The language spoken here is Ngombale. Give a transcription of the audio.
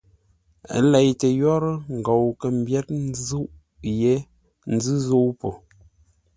Ə́ leitə yórə́ ngou kə̂ mbyér nzûʼ yé nzʉ́ zə̂u po.